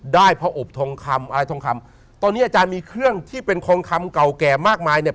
พระอบทองคำอะไรทองคำตอนนี้อาจารย์มีเครื่องที่เป็นทองคำเก่าแก่มากมายเนี่ย